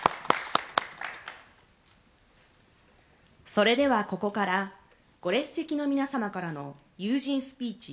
それでは、ここからご列席の皆様からの友人スピーチ。